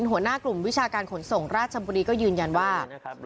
หัวหน้ากลุ่มวิชาการขนส่งราชบุรีก็ยืนยันว่า